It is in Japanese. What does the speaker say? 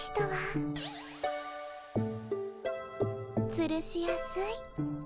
つるしやすい。